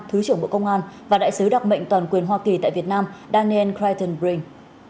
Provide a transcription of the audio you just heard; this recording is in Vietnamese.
thứ trưởng bộ công an và đại sứ đặc mệnh toàn quyền hoa kỳ tại việt nam daniel critton brink